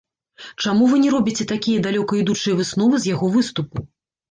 Чаму вы не робіце такія далёкаідучыя высновы з яго выступу?